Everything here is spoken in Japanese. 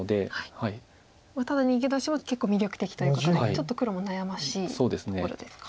ただ逃げ出しも結構魅力的ということでちょっと黒も悩ましいところですか。